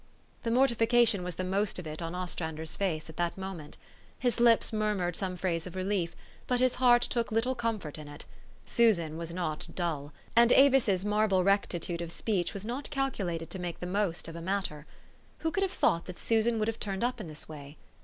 The mortification was the most of it on Ostran der' s face at that moment. His lips murmured some phrase of relief ; but his heart took little comfort in it. Susan was not dull. And Avis's marble recti THE STORY OF AVIS. 305 tude of speech was not calculated to make the most of a matter. Who could have thought that Susan would have turned up in this way